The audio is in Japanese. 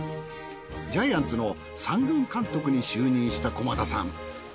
ジャイアンツの三軍監督に就任した駒田さん。